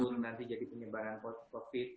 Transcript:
nanti jadi penyebaran covid